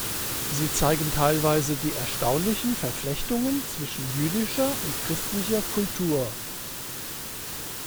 Sie zeigen teilweise die erstaunlichen Verflechtungen zwischen jüdischer und christlicher Kultur.